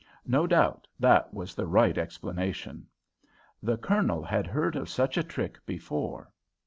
No doubt that was the right explanation. The Colonel had heard of such a trick before.